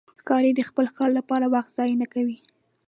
ښکاري د خپل ښکار لپاره وخت ضایع نه کوي.